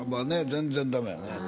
全然ダメやね。